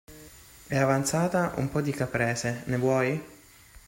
E' avanzata un po' di caprese, ne vuoi?